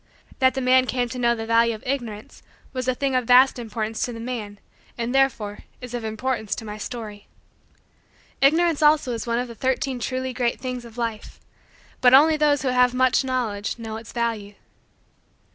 That the man came to know the value of Ignorance was a thing of vast importance to the man and, therefore, is of importance to my story. Ignorance also is one of the Thirteen Truly Great Things of Life but only those who have much knowledge know its value.